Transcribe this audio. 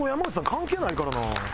関係ないからな。